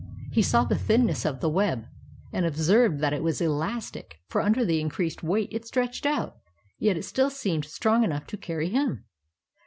He saw the thinness of the web, and observed that it was elastic, for under the increased weight it stretched out; yet it still seemed strong enough to carry him.